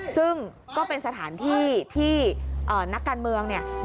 ซึ่งก็เป็นสถานที่ที่นักการเมืองเนี่ย